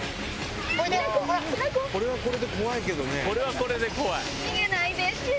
これはこれで怖いけどね。